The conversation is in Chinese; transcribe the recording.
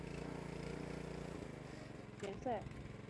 他现在效力于匈牙利足球甲级联赛球队费伦斯华路士体育会。